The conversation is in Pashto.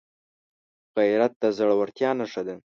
غیرت د زړورتیا نښه ده